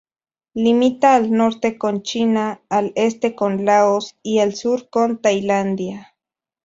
Limita al norte con China, al este con Laos y al sur con Tailandia.